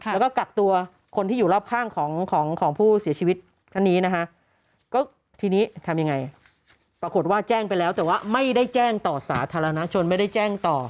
แล้วก็กักตัวคนที่อยู่รอบข้างของผู้เสียชีวิตท่านี้นะฮะ